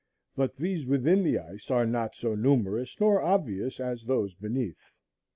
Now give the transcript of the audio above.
But these within the ice are not so numerous nor obvious as those beneath.